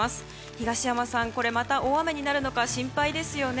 東山さん、大雨になるのか心配ですよね。